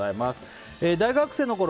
大学生のころ